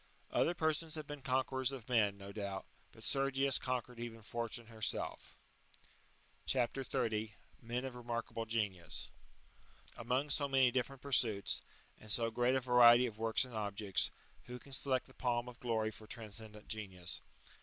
Other persons have been conquerors of men, no doubt, but Sergius^^ conquered even Fortune herself. ^^* CHAP. 30. (29.) MEN OF REMARKABLE GENITJS. Among so many different pursuits, and so great a variety of works and objects, who can select the palm of glory for tran scendent genius